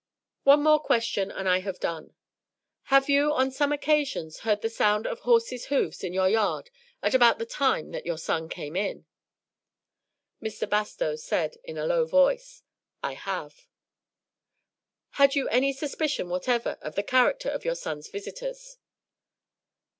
"One more question, and I have done. Have you on some occasions heard the sound of horses' hoofs in your yard at about the time that your son came in?" Mr. Bastow said in a low voice: "I have." "Had you any suspicion whatever of the character of your son's visitors?"